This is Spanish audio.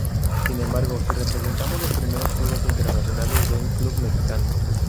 Sin embargo, sí representaron los primeros juegos internacionales de un club mexicano.